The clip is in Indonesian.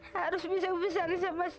harus bisa berbesar sama saya